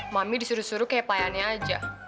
mami disuruh suruh kayak payannya aja